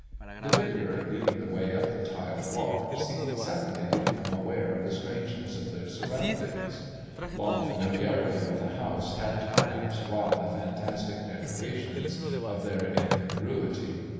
The vicar, leading the way up the tiled walk, seemed suddenly to become aware of the strangeness of their surroundings. Long familiarity with the house had perhaps robbed the fantastic decorations of their incongruity.